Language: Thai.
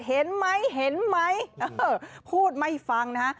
เห็นไหมเห็นไหมเออพูดไม่ฟังนะฮะ